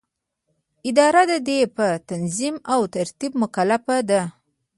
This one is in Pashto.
اداره د دې په تنظیم او ترتیب مکلفه ده.